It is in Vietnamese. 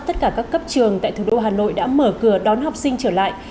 tất cả các cấp trường tại thủ đô hà nội đã mở cửa đón học sinh trở lại